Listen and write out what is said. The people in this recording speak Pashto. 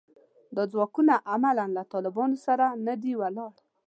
دا ځواکونه عملاً له طالبانو سره نه دي ولاړ